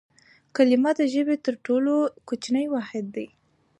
کلیمه د ژبي تر ټولو کوچنی واحد دئ.